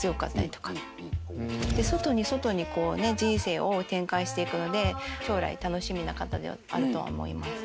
外に外に人生を展開していくので将来楽しみな方ではあるとは思います。